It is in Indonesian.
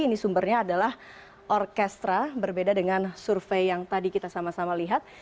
ini sumbernya adalah orkestra berbeda dengan survei yang tadi kita sama sama lihat